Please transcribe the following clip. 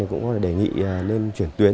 cũng có thể đề nghị lên chuyển tuyến